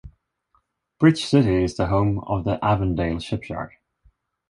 Bridge City is the home of the Avondale Shipyard.